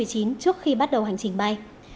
trước khi bắt đầu hành trình bay